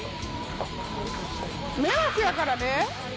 迷惑やからね。